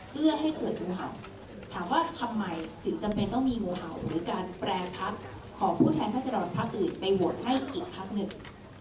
เพื่อให้เกิดงูเห่าถามว่าทำไมถึงจำเป็นต้องมีงูเห่าหรือการแปรพักของผู้แทนรัศดรพักอื่นไปโหวตให้อีกพักหนึ่ง